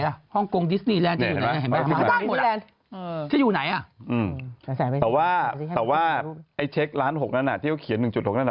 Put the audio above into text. ถึงฮ่องกงดิสนีแลนด์อืมแต่ว่าไอ้เช็กร้านหกนั้นที่เขาเขียน๑๖นั้น